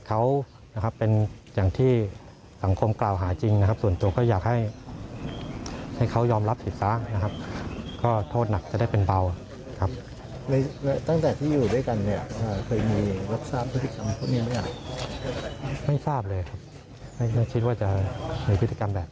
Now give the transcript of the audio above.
คิดว่าจะเหมือนพฤติกรรมแบบนี้